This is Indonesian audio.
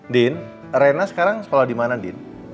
din reina sekarang sekolah dimana din